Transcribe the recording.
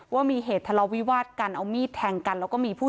ว่ามีเหตุทะเลาวิวาสกันเอามีดแทงกันแล้วก็มีผู้